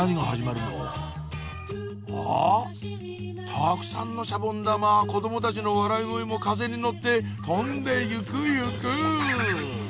たくさんのシャボン玉子どもたちの笑い声も風に乗って飛んでゆくゆく！